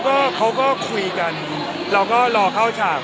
ก็เขาก็คุยกันเราก็รอเข้าฉาก